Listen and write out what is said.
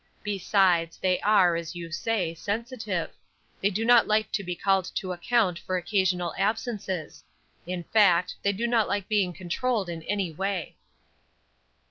Besides, they are, as you say, sensitive; they do not like to be called to account for occasional absences; in fact, they do not like being controlled in any way."